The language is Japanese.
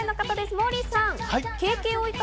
モーリーさん。